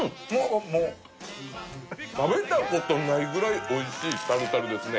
おっもう食べたことないぐらいおいしいタルタルですね・